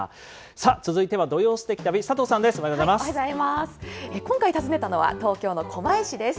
さあ、続いては土曜すてき旅、佐藤さんです。